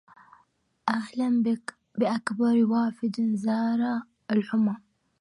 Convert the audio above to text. أهلا بأكبر وافد زار الحمى